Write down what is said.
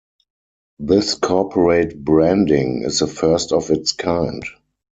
This corporate branding is the first of its kind.